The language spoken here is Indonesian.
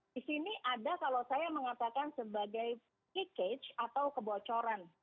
di sini ada kalau saya mengatakan sebagai ekage atau kebocoran